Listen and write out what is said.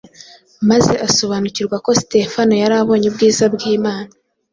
maze asobanukirwa ko Sitefano yari abonye “ubwiza bw’Imana”